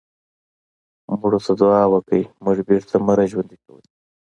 مړو ته دعا وکړئ مړي بېرته مه راژوندي کوئ.